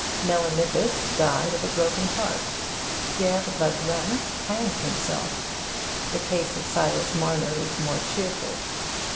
Melanippus died of a broken heart. Pierre Baudouin hanged himself. The case of Silas Marner is more cheerful.